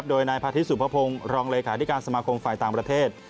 โดยนายพาทิตสุภพงศ์รองเลขาธิการสมาคมฝ่ายต่างประเทศ